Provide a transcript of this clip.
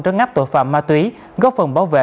trấn áp tội phạm ma túy góp phần bảo vệ